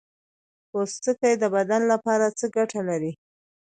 پوستکی د بدن لپاره څه ګټه لري